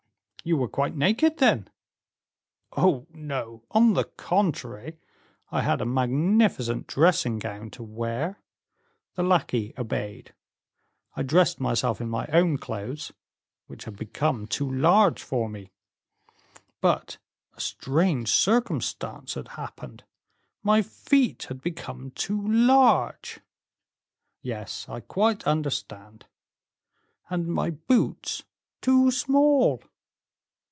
"You were quite naked, then?" "Oh, no! on the contrary, I had a magnificent dressing gown to wear. The lackey obeyed; I dressed myself in my own clothes, which had become too large for me; but a strange circumstance had happened, my feet had become too large." "Yes, I quite understand." "And my boots too small."